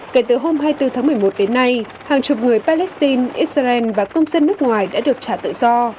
kể từ hôm hai mươi bốn tháng một mươi một đến nay hàng chục người palestine israel và công dân nước ngoài đã được trả tự do